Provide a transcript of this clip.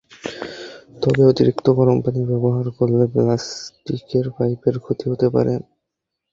তবে অতিরিক্ত গরম পানি ব্যবহার করলে প্লাস্টিকের পাইপের ক্ষতি হতে পারে।